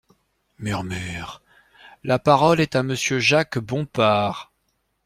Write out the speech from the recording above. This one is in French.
(Murmures.) La parole est à Monsieur Jacques Bompard.